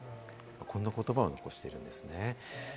こんな言葉を残してるんですね。